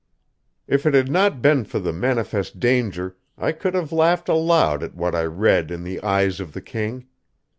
If it had not been for the manifest danger, I could have laughed aloud at what I read in the eyes of the king.